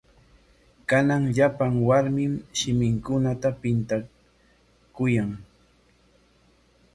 Kanan llapan warmim shiminkunata pintakuyan.